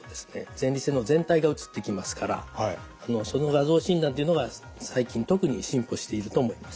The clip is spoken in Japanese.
前立腺の全体が写ってきますからその画像診断っていうのが最近特に進歩していると思います。